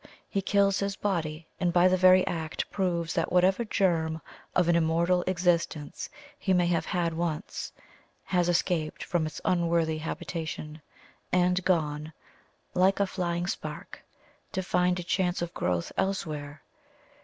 He kills his body, and by the very act proves that whatever germ of an immortal existence he may have had once, has escaped from its unworthy habitation, and gone, like a flying spark, to find a chance of growth elsewhere.